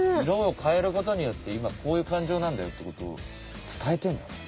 色を変えることによっていまこういう感情なんだよってことを伝えてんだ。